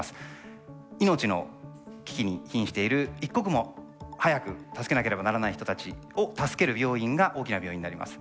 命の危機に瀕している一刻も早く助けなければならない人たちを助ける病院が大きな病院になります。